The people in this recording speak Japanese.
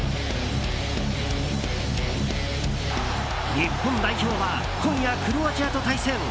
日本代表は今夜クロアチアと対戦。